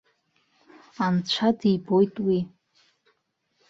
Анцәа дибоит уи.